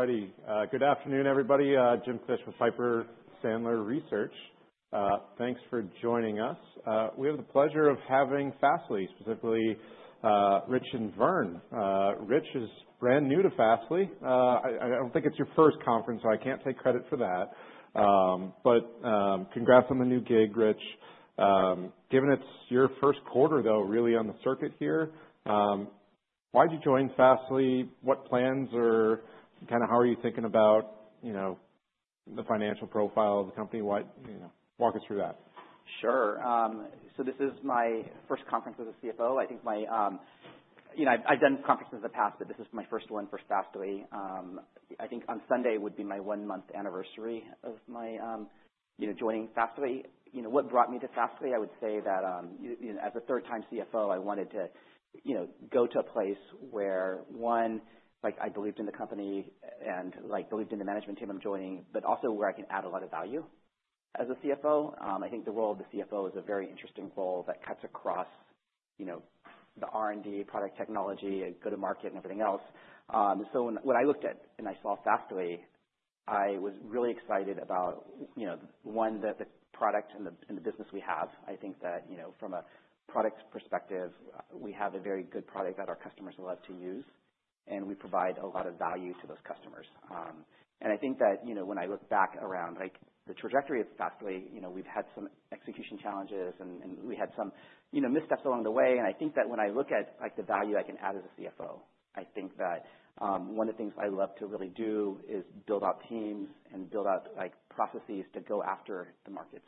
Alrighty, good afternoon everybody. James Fish with Piper Sandler Research. Thanks for joining us. We have the pleasure of having Fastly, specifically Rich and Vern. Rich is brand new to Fastly. I don't think it's your first conference, so I can't take credit for that. But congrats on the new gig, Rich. Given it's your first quarter, though, really on the circuit here, why did you join Fastly? What plans or kind of how are you thinking about the financial profile of the company? Walk us through that. Sure. So this is my first conference as a CFO. I think. I've done conferences in the past, but this is my first one for Fastly. I think on Sunday would be my one-month anniversary of joining Fastly. What brought me to Fastly? I would say that as the third-time CFO, I wanted to go to a place where, one, I believed in the company and believed in the management team I'm joining, but also where I can add a lot of value as a CFO. I think the role of the CFO is a very interesting role that cuts across the R&D, product technology, and Go-to-Market, and everything else. So when I looked at and I saw Fastly, I was really excited about, one, the product and the business we have. I think that from a product perspective, we have a very good product that our customers love to use, and we provide a lot of value to those customers. And I think that when I look back around the trajectory of Fastly, we've had some execution challenges, and we had some missteps along the way. And I think that when I look at the value I can add as a CFO, I think that one of the things I love to really do is build out teams and build out processes to go after the markets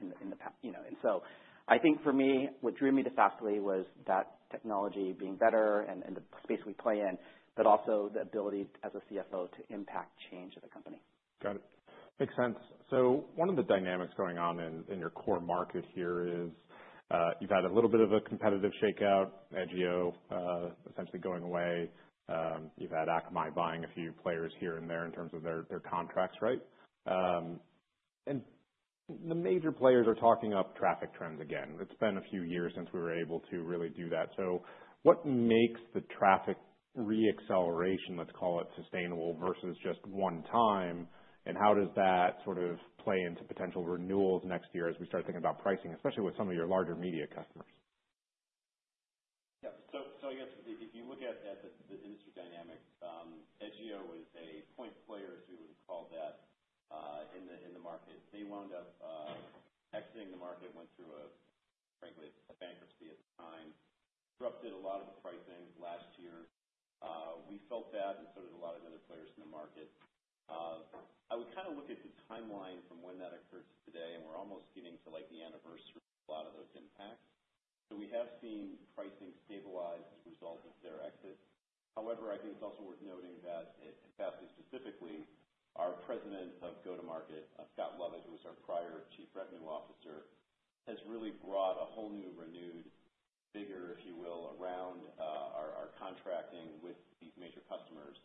in the past. And so I think for me, what drew me to Fastly was that technology being better and the space we play in, but also the ability as a CFO to impact change at the company. Got it. Makes sense. So one of the dynamics going on in your core market here is you've had a little bit of a competitive shakeout, Edgio essentially going away. You've had Akamai buying a few players here and there in terms of their contracts, right? And the major players are talking up traffic trends again. It's been a few years since we were able to really do that. So what makes the traffic re-acceleration, let's call it, sustainable versus just one time? And how does that sort of play into potential renewals next year as we start thinking about pricing, especially with some of your larger media customers? Yeah. So I guess if you look at the industry dynamics, Edgio was a point player, as we would call that, in the market. They wound up exiting the market, went through, frankly, a bankruptcy at the time, corrupted a lot of the pricing last year. We felt that and so did a lot of other players in the market. I would kind of look at the timeline from when that occurs today, and we're almost getting to the anniversary of a lot of those impacts. So we have seen pricing stabilize as a result of their exit. However, I think it's also worth noting that at Fastly specifically, our President of Go-to-Market, Scott Lovett, who was our prior Chief Revenue Officer, has really brought a whole new, renewed vigor, if you will, around our contracting with these major customers.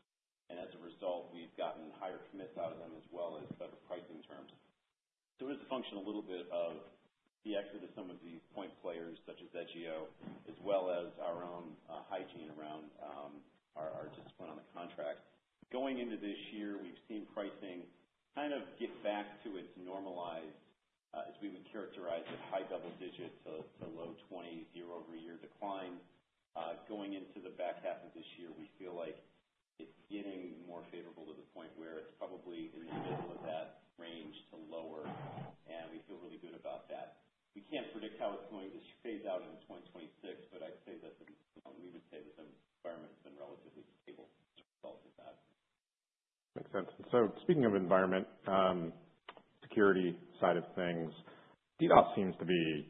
And as a result, we've gotten higher commits out of them as well as better pricing terms. So it has functioned a little bit of the exit of some of these point players such as Edgio, as well as our own hygiene around our discipline on the contract. Going into this year, we've seen pricing kind of get back to its normalized, as we would characterize it, high double-digit to low 20s year-over-year decline. Going into the back half of this year, we feel like it's getting more favorable to the point where it's probably in the middle of that range to lower, and we feel really good about that. We can't predict how it's going to phase out in 2026, but I'd say that we would say that the environment has been relatively stable as a result of that. Makes sense. And so speaking of environment, security side of things, DDoS seems to be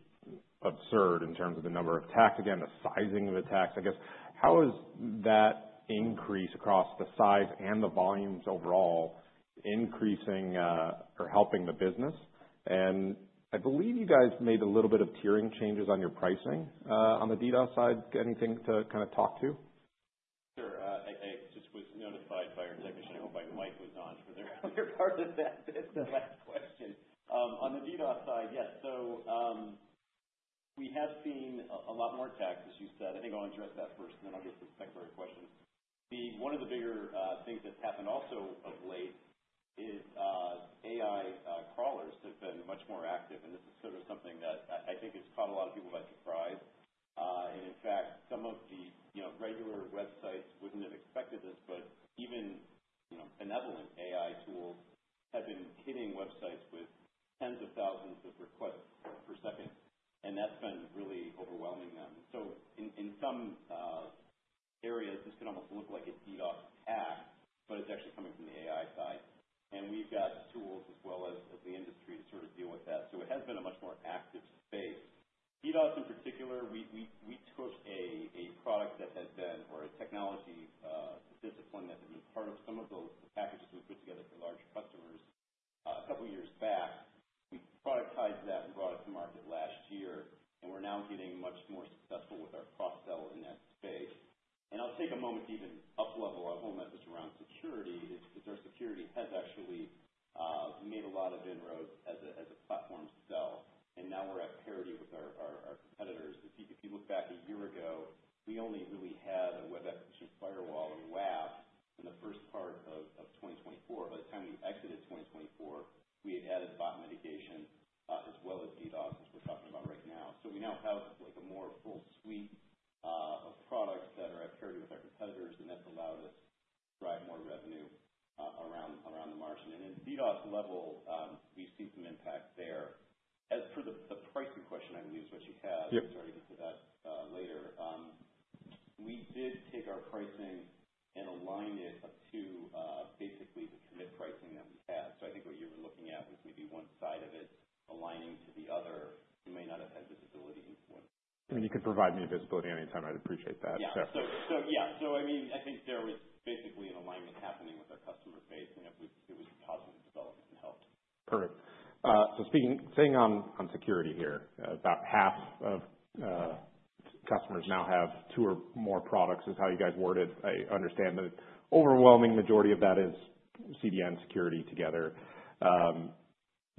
absurd in terms of the number of attacks. Again, the size of attacks, I guess. How is that increase across the size and the volumes overall increasing or helping the business? And I believe you guys made a little bit of tiering changes on your pricing on the DDoS side. Anything to kind of talk about? Sure. I just was notified by our technician. I hope mic was not. I'm sure they're part of that business. Last question. On the DDoS side, yes. So we have seen a lot more attacks, as you said. I think I'll address that first, and then I'll get to the secondary question. One of the bigger things that's happened also of late is AI crawlers have been much more active, and this is sort of something that I think has caught a lot of people by surprise. And in fact, some of the regular websites wouldn't have expected this, but even benevolent AI tools have been hitting websites with tens of thousands of requests per second, and that's been really overwhelming them. So in some areas, this could almost look like a DDoS attack, but it's actually coming from the AI side. And we've got tools as well as the industry to sort of deal with that. So it has been a much more active space. DDoS in particular, we took a product that had been or a technology discipline that had been part of some of the packages we put together for large customers a couple of years back. We productized that and brought it to market last year, and we're now getting much more successful with our cross-sell in that space. I'll take a moment to even up-level our whole message around security. Our security has actually made a lot of inroads as a platform to sell, and now we're at parity with our competitors. If you look back a year ago, we only really had a web application firewall or WAF in the first part of 2024. By the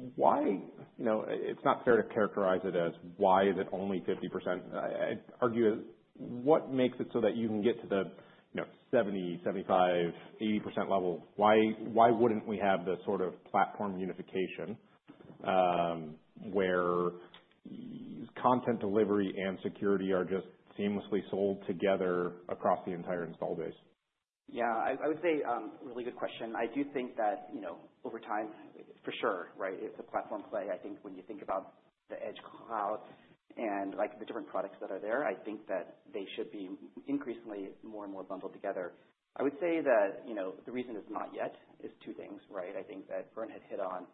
It's not fair to characterize it as, "Why is it only 50%?" I'd argue it. What makes it so that you can get to the 70%, 75%, 80% level? Why wouldn't we have the sort of platform unification where content delivery and security are just seamlessly sold together across the entire install base? Yeah. I would say really good question. I do think that over time, for sure, right, it's a platform play. I think when you think about the Edge Cloud and the different products that are there, I think that they should be increasingly more and more bundled together. I would say that the reason it's not yet is two things, right? I think that Vern had hit on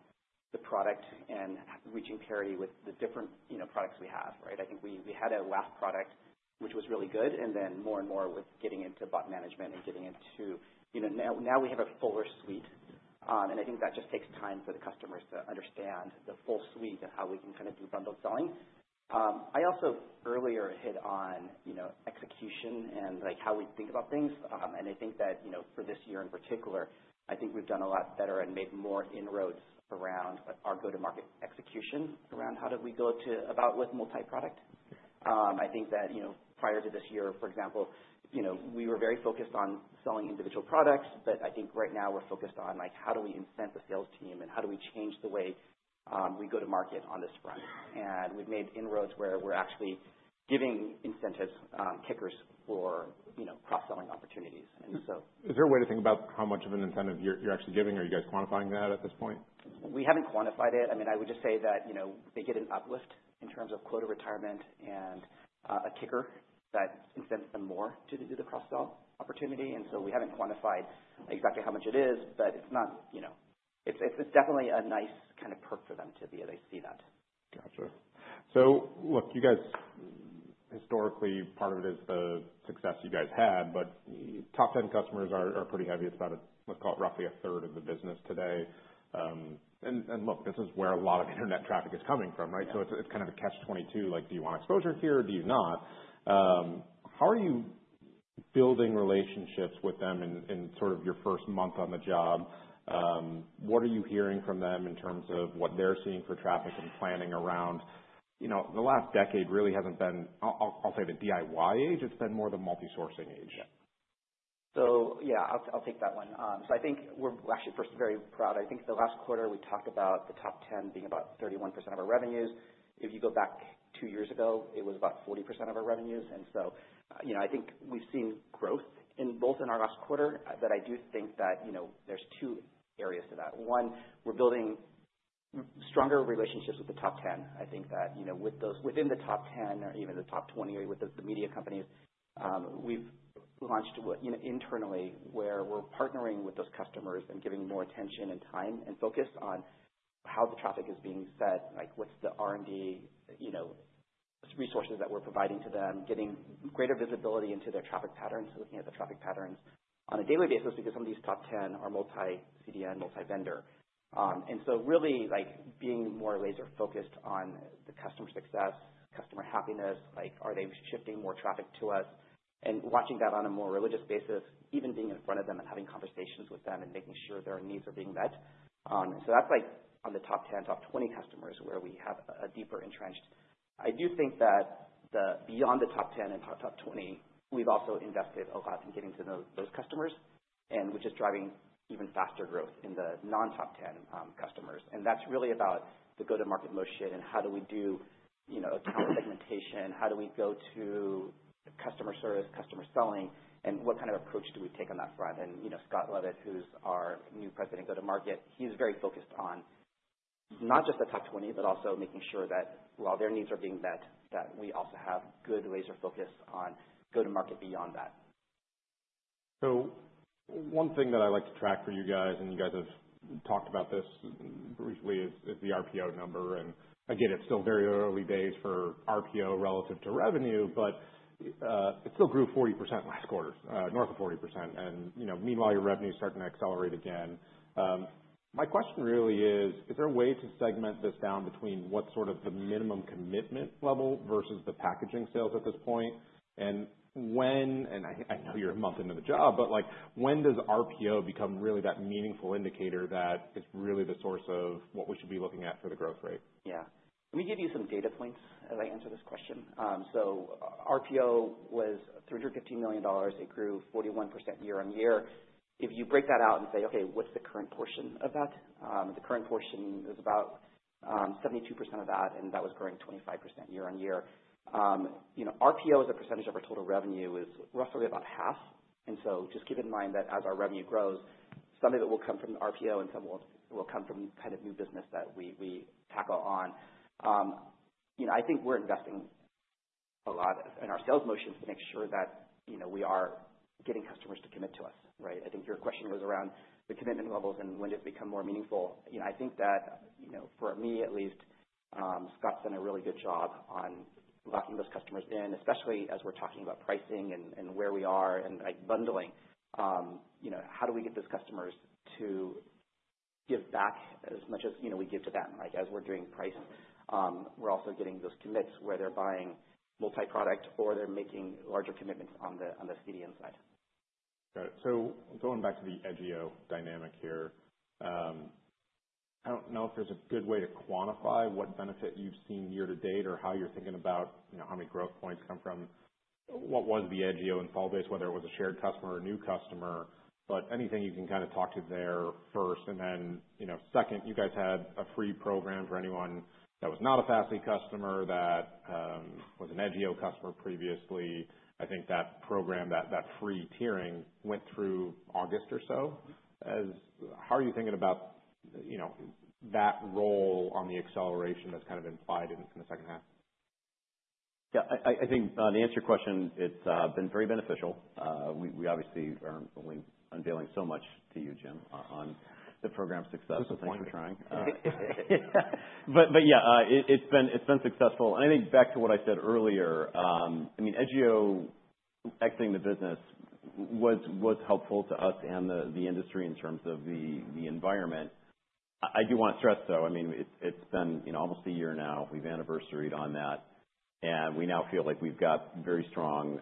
the product and reaching parity with the different products we have, right? I think we had a WAF product, which was really good, and then more and more with getting into bot management and getting into now we have a fuller suite, and I think that just takes time for the customers to understand the full suite and how we can kind of do bundled selling. I also earlier hit on execution and how we think about things, and I think that for this year in particular, I think we've done a lot better and made more inroads around our Go-to-Market execution around how did we go about with multi-product. I think that prior to this year, for example, we were very focused on selling individual products, but I think right now we're focused on how do we incent the sales team and how do we change the way we go to market on this front. And we've made inroads where we're actually giving incentives, kickers for cross-selling opportunities, and so. Is there a way to think about how much of an incentive you're actually giving? Are you guys quantifying that at this point? We haven't quantified it. I mean, I would just say that they get an uplift in terms of quota retirement and a kicker that incents them more to do the cross-sell opportunity. And so we haven't quantified exactly how much it is, but it's not, it's definitely a nice kind of perk for them to be able to see that. Gotcha. So look, you guys historically, part of it is the success you guys had, but top 10 customers are pretty heavy. It's about, let's call it, roughly a third of the business today. And look, this is where a lot of internet traffic is coming from, right? So it's kind of a catch-22. Do you want exposure here? Do you not? How are you building relationships with them in sort of your first month on the job? What are you hearing from them in terms of what they're seeing for traffic and planning around? The last decade really hasn't been, I'll say the DIY age, it's been more the multi-sourcing age. So yeah, I'll take that one. So I think we're actually very proud. I think the last quarter we talked about the top 10 being about 31% of our revenues. If you go back two years ago, it was about 40% of our revenues. And so I think we've seen growth both in our last quarter, but I do think that there's two areas to that. One, we're building stronger relationships with the top 10. I think that within the top 10 or even the top 20, with the media companies, we've launched internally where we're partnering with those customers and giving more attention and time and focus on how the traffic is being set, what's the R&D resources that we're providing to them, getting greater visibility into their traffic patterns, looking at the traffic patterns on a daily basis because some of these top 10 are multi-CDN, multi-vendor. And so, really being more laser-focused on the customer success, customer happiness, are they shifting more traffic to us, and watching that on a more religious basis, even being in front of them and having conversations with them and making sure their needs are being met. And so that's on the top 10, top 20 customers where we have a deeper entrenched. I do think that beyond the top 10 and top 20, we've also invested a lot in getting to those customers, which is driving even faster growth in the non-top 10 customers. And that's really about the Go-to-Market motion and how do we do account segmentation, how do we go to customer service, customer selling, and what kind of approach do we take on that front. Scott Lovett, who's our new President of Go-to-Market, is very focused on not just the top 20, but also making sure that while their needs are being met, we also have good laser focus on Go-to-Market beyond that. One thing that I like to track for you guys, and you guys have talked about this briefly, is the RPO number, and again, it's still very early days for RPO relative to revenue, but it still grew 40% last quarter, north of 40%, and meanwhile, your revenue's starting to accelerate again. My question really is, is there a way to segment this down between what's sort of the minimum commitment level versus the packaging sales at this point, and I know you're a month into the job, but when does RPO become really that meaningful indicator that it's really the source of what we should be looking at for the growth rate? Yeah. Let me give you some data points as I answer this question. So RPO was $350 million. It grew 41% year-on-year. If you break that out and say, "Okay, what's the current portion of that?" The current portion is about 72% of that, and that was growing 25% year-on-year. RPO as a percentage of our total revenue is roughly about half. And so just keep in mind that as our revenue grows, some of it will come from the RPO and some will come from kind of new business that we tackle on. I think we're investing a lot in our sales motions to make sure that we are getting customers to commit to us, right? I think your question was around the commitment levels and when did it become more meaningful. I think that for me at least, Scott's done a really good job on locking those customers in, especially as we're talking about pricing and where we are and bundling. How do we get those customers to give back as much as we give to them? As we're doing price, we're also getting those commits where they're buying multi-product or they're making larger commitments on the CDN side. Got it. So going back to the Edgio dynamic here, I don't know if there's a good way to quantify what benefit you've seen year to date or how you're thinking about how many growth points come from what was the Edgio install base, whether it was a shared customer or a new customer, but anything you can kind of talk to there first. And then second, you guys had a free program for anyone that was not a Fastly customer that was an Edgio customer previously. I think that program, that free tiering, went through August or so. How are you thinking about that role on the acceleration that's kind of implied in the second half? Yeah. I think to answer your question, it's been very beneficial. We obviously are only unveiling so much to you, Jim, on the program's success. This is thing we are trying. But yeah, it's been successful. And I think back to what I said earlier, I mean, Edgio exiting the business was helpful to us and the industry in terms of the environment. I do want to stress, though, I mean, it's been almost a year now. We've anniversaried on that, and we now feel like we've got very strong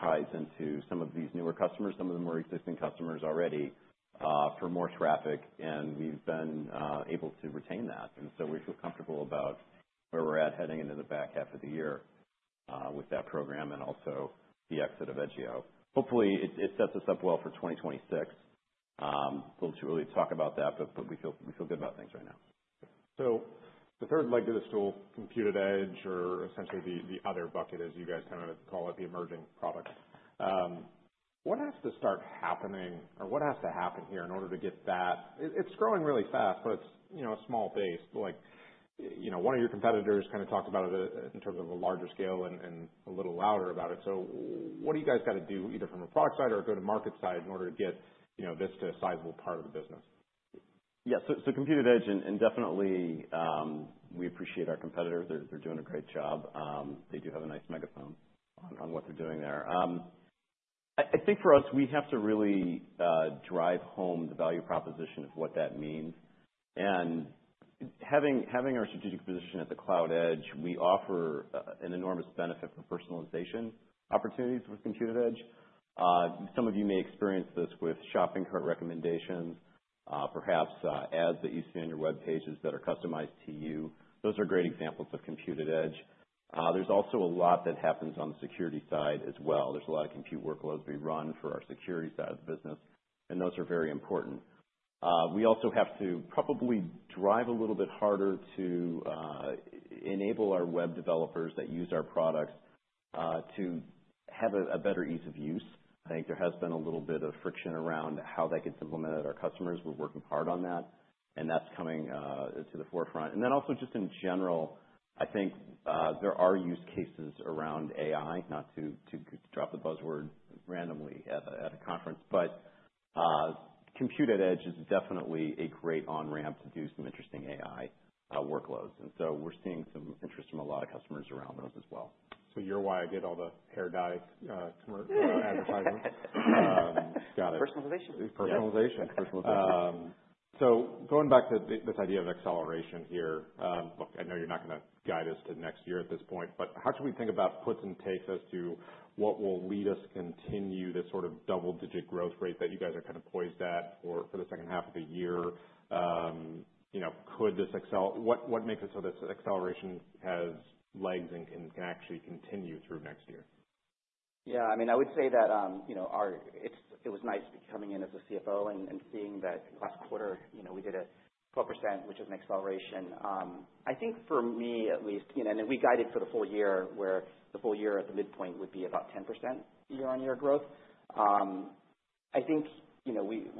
ties into some of these newer customers. Some of them were existing customers already for more traffic, and we've been able to retain that. And so we feel comfortable about where we're at heading into the back half of the year with that program and also the exit of Edgio. Hopefully, it sets us up well for 2026. A little too early to talk about that, but we feel good about things right now. So the third leg of this whole Compute@Edge or essentially the other bucket, as you guys kind of call it, the emerging product. What has to start happening or what has to happen here in order to get that? It's growing really fast, but it's a small base. One of your competitors kind of talked about it in terms of a larger scale and a little louder about it. So what do you guys got to do either from a product side or a Go-to-Market side in order to get this to a sizable part of the business? Yeah. So, Compute@Edge, and definitely we appreciate our competitors. They're doing a great job. They do have a nice megaphone on what they're doing there. I think for us, we have to really drive home the value proposition of what that means. And having our strategic position at the Edge Cloud, we offer an enormous benefit for personalization opportunities with Compute@Edge. Some of you may experience this with shopping cart recommendations, perhaps ads that you see on your web pages that are customized to you. Those are great examples of Compute@Edge. There's also a lot that happens on the security side as well. There's a lot of Compute workloads we run for our security side of the business, and those are very important. We also have to probably drive a little bit harder to enable our web developers that use our products to have a better ease of use. I think there has been a little bit of friction around how that gets implemented at our customers. We're working hard on that, and that's coming to the forefront, and then also just in general, I think there are use cases around AI, not to drop the buzzword randomly at a conference, but Compute@Edge is definitely a great on-ramp to do some interesting AI workloads, and so we're seeing some interest from a lot of customers around those as well. So you're why I did all the hair dye advertising. Got it. Personalization. Personalization. Personalization. So going back to this idea of acceleration here, look, I know you're not going to guide us to next year at this point, but how should we think about puts and takes as to what will lead us to continue this sort of double-digit growth rate that you guys are kind of poised at for the second half of the year? Could this accelerate? What makes it so this acceleration has legs and can actually continue through next year? Yeah. I mean, I would say that it was nice coming in as a CFO and seeing that last quarter we did a 12%, which is an acceleration. I think for me at least, and we guided for the full year where the full year at the midpoint would be about 10% year-on-year growth. I think we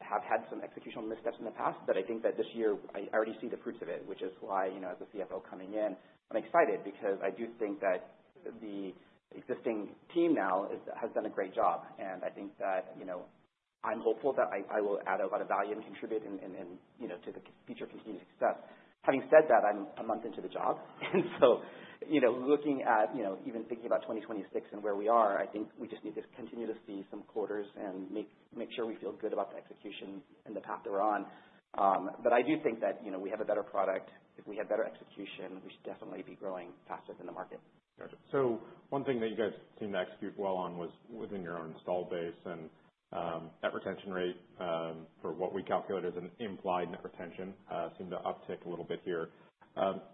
have had some executional missteps in the past, but I think that this year I already see the fruits of it, which is why as a CFO coming in, I'm excited because I do think that the existing team now has done a great job. And I think that I'm hopeful that I will add a lot of value and contribute to the future continued success. Having said that, I'm a month into the job. And so, looking at even thinking about 2026 and where we are, I think we just need to continue to see some quarters and make sure we feel good about the execution and the path we're on. But I do think that we have a better product. If we had better execution, we should definitely be growing faster than the market. Gotcha. So one thing that you guys seemed to execute well on was within your own Install Base, and that retention rate for what we calculate as an implied net retention seemed to uptick a little bit here.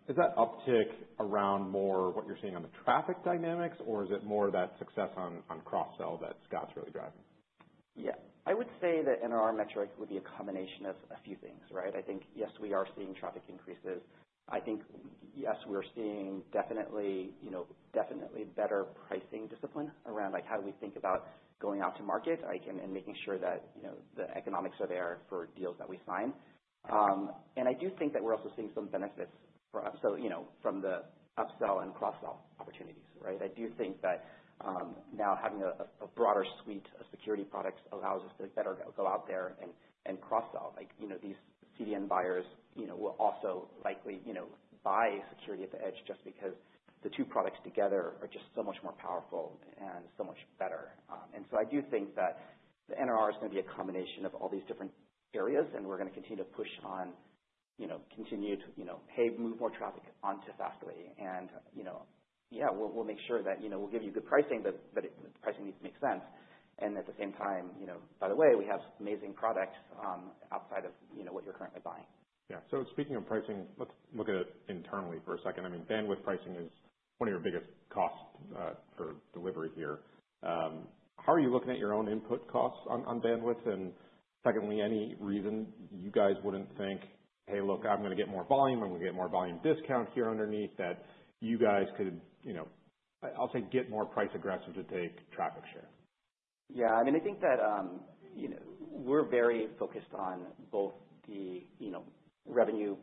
Is that uptick around more what you're seeing on the traffic dynamics, or is it more that success on cross-sell that Scott's really driving? Yeah. I would say that NRR metric would be a combination of a few things, right? I think, yes, we are seeing traffic increases. I think, yes, we're seeing definitely better pricing discipline around how do we think about going out to market and making sure that the economics are there for deals that we sign. And I do think that we're also seeing some benefits for us from the upsell and cross-sell opportunities, right? I do think that now having a broader suite of security products allows us to better go out there and cross-sell. These CDN buyers will also likely buy security at the Edge just because the two products together are just so much more powerful and so much better. And so I do think that the NRR is going to be a combination of all these different areas, and we're going to continue to push on continued, "Hey, move more traffic onto Fastly." And yeah, we'll make sure that we'll give you good pricing, but the pricing needs to make sense. And at the same time, by the way, we have amazing products outside of what you're currently buying. Yeah. So speaking of pricing, let's look at it internally for a second. I mean, bandwidth pricing is one of your biggest costs for delivery here. How are you looking at your own input costs on bandwidth? And secondly, any reason you guys wouldn't think, "Hey, look, I'm going to get more volume. I'm going to get more volume discount here underneath," that you guys could, I'll say, get more price aggressive to take traffic share? Yeah. I mean, I think that we're very focused on both the revenue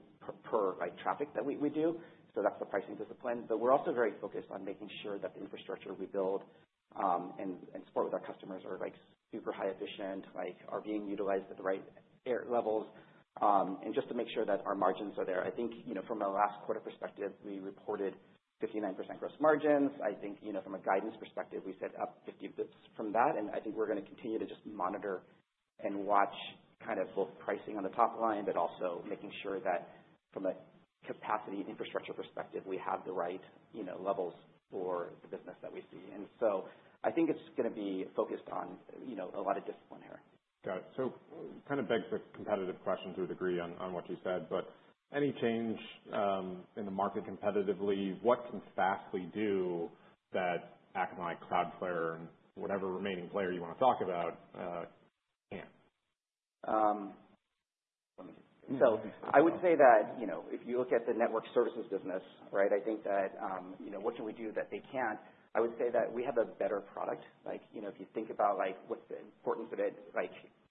per traffic that we do. So that's the pricing discipline. But we're also very focused on making sure that the infrastructure we build and support with our customers are super highly efficient, are being utilized at the right levels, and just to make sure that our margins are there. I think from a last quarter perspective, we reported 59% gross margins. I think from a guidance perspective, we set up 50 basis points from that. And I think we're going to continue to just monitor and watch kind of both pricing on the top line, but also making sure that from a capacity infrastructure perspective, we have the right levels for the business that we see. And so I think it's going to be focused on a lot of discipline here. Got it. So kind of begs a competitive question to a degree on what you said, but any change in the market competitively, what can Fastly do that Akamai, Cloudflare, and whatever remaining player you want to talk about can't? So, I would say that if you look at the network services business, right? I think that what can we do that they can't? I would say that we have a better product. If you think about what's the importance of it,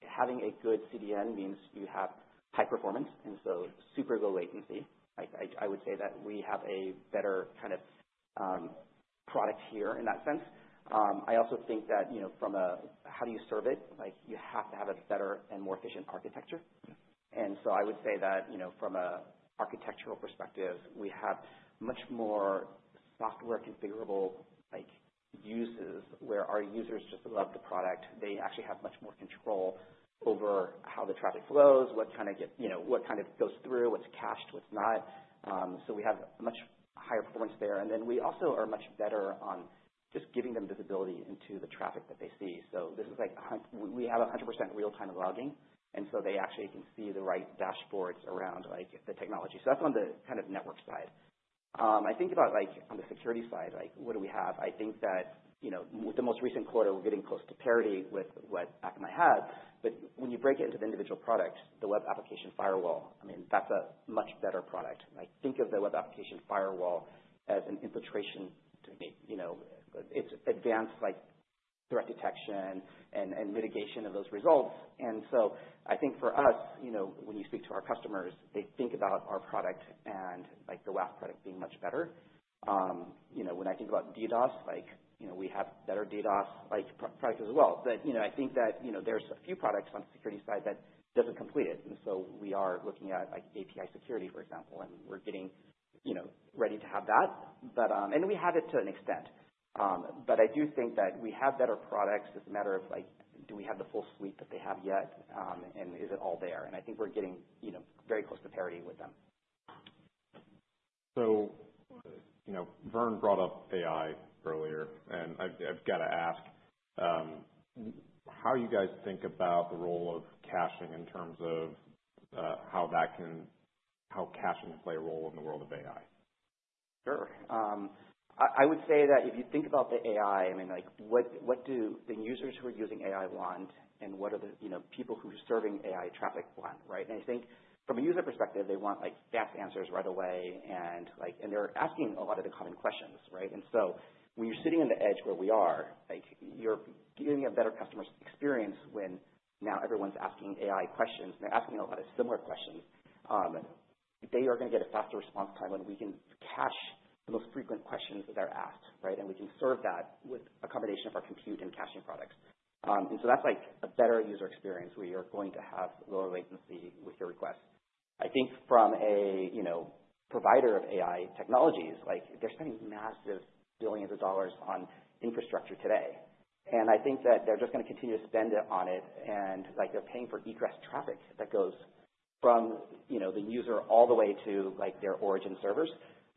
having a good CDN means you have high performance and so super low latency. I would say that we have a better kind of product here in that sense. I also think that from a how do you serve it? You have to have a better and more efficient architecture. And so I would say that from an architectural perspective, we have much more software configurable uses where our users just love the product. They actually have much more control over how the traffic flows, what kind of gets what kind of goes through, what's cached, what's not. So we have much higher performance there. And then we also are much better on just giving them visibility into the traffic that they see. So this is like we have 100% real-time logging, and so they actually can see the right dashboards around the technology. So that's on the kind of network side. I think about on the security side, what do we have? I think that with the most recent quarter, we're getting close to parity with what Akamai had. But when you break it into the individual products, the web application firewall, I mean, that's a much better product. Think of the web application firewall as an infiltration technique. It's advanced threat detection and mitigation of those results. And so I think for us, when you speak to our customers, they think about our product and the WAF product being much better. When I think about DDoS, we have better DDoS products as well. But I think that there's a few products on the security side that don't compete with it. And so we are looking at API security, for example, and we're getting ready to have that. And we have it to an extent. But I do think that we have better products. It's a matter of do we have the full suite that they have yet, and is it all there? And I think we're getting very close to parity with them. So Vern brought up AI earlier, and I've got to ask, how do you guys think about the role of caching in terms of how caching can play a role in the world of AI? Sure. I would say that if you think about the AI, I mean, what do the users who are using AI want, and what are the people who are serving AI traffic want, right? And I think from a user perspective, they want fast answers right away, and they're asking a lot of the common questions, right? And so when you're sitting on the edge where we are, you're giving a better customer experience when now everyone's asking AI questions, and they're asking a lot of similar questions. They are going to get a faster response time when we can cache the most frequent questions that are asked, right? And we can serve that with a combination of our compute and caching products. And so that's a better user experience where you're going to have lower latency with your request. I think from a provider of AI technologies, they're spending massive billions of dollars on infrastructure today, and I think that they're just going to continue to spend it on it, and they're paying for egress traffic that goes from the user all the way to their origin servers.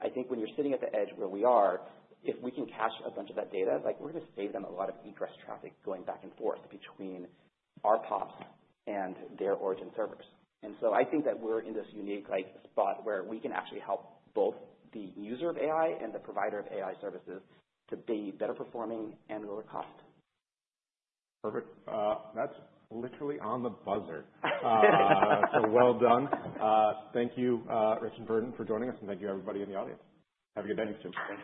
I think when you're sitting at the edge where we are, if we can cache a bunch of that data, we're going to save them a lot of egress traffic going back and forth between our POPs and their origin servers, and so I think that we're in this unique spot where we can actually help both the user of AI and the provider of AI services to be better performing and lower cost. Perfect. That's literally on the buzzer. So well done. Thank you, Rich and Vernon, for joining us, and thank you, everybody in the audience. Have a good day, you too. Thanks.